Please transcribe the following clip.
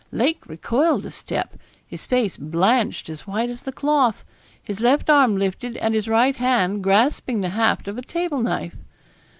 Lake recoiled a step; his face blanched as white as the cloth; his left arm lifted, and his right hand grasping the haft of a table knife.